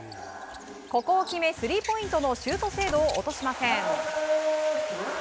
ここを決め、スリーポイントのシュート精度を落としません。